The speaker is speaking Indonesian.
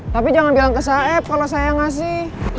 tapi jangan bilang ke saeb kalau saya ngasih